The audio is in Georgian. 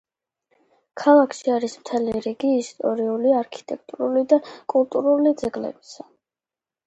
ქალაქში არის მთელი რიგი ისტორიული, არქიტექტურული და კულტურული ძეგლებისა.